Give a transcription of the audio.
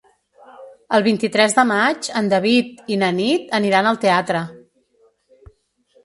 El vint-i-tres de maig en David i na Nit aniran al teatre.